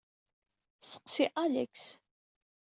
Sseqsi Alex.